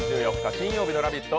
金曜日の「ラヴィット！」